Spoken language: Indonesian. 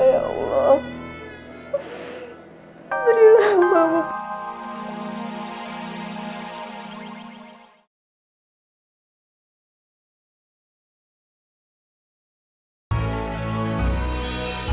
ngetahui apa terasihan dibalik ini semua